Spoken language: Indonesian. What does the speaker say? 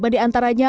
lima di antaranya